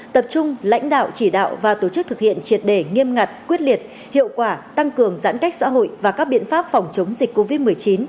tập trung lãnh đạo chỉ đạo và tổ chức thực hiện triệt đề nghiêm ngặt quyết liệt hiệu quả tăng cường giãn cách xã hội và các biện pháp phòng chống dịch covid một mươi chín